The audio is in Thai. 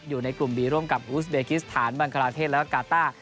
อยู่ในกลุ่มบีร่วมกับอูสเบกิสถานบังคลาเทศแล้วก็กาต้า